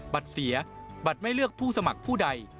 บัตรเสียบัตรไม่เลือกผู้สมัครผู้ใด